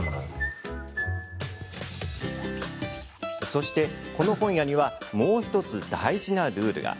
そして、この本屋にはもう１つ大事なルールが。